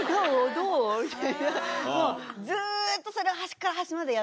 ずっとそれを。